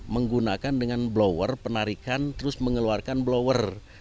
menggunakan dengan blower penarikan terus mengeluarkan blower